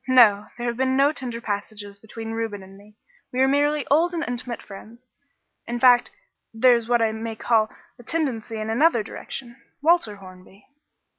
"No, there have been no tender passages between Reuben and me. We are merely old and intimate friends; in fact, there is what I may call a tendency in another direction Walter Hornby."